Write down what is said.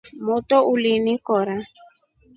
Moto uli in kora.